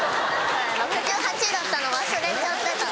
６８だったの忘れちゃってた。